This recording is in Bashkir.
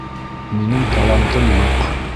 Минең талантым юҡ!